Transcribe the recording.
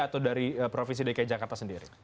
atau dari provinsi dki jakarta sendiri